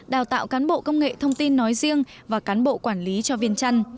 đào tạo cán bộ công nghệ thông tin nói riêng và cán bộ quản lý cho viên chăn